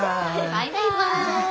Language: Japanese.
バイバイ。